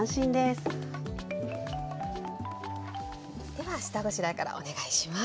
では下ごしらえからお願いします。